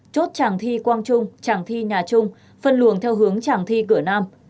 chốt tràng thi quang trung tràng thi nhà trung phân luồng theo hướng tràng thi cửa nam